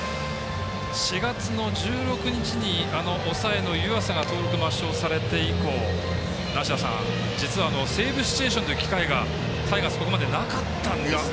４月の１６日に抑えの湯浅が登録抹消されて以降梨田さん、実はセーブシチュエーションという機会がタイガースここまでなかったんですが。